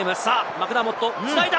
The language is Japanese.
マクダーモット繋いだ！